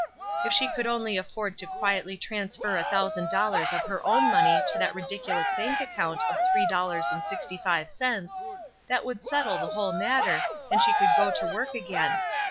If she could only afford to quietly transfer a thousand dollars of her own money to that ridiculous bank account of three dollars and sixty five cents, that would settle the whole matter and she could go to work again.